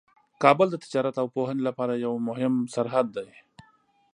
کابل د تجارت او پوهنې لپاره یوه مهمه سرحد ده.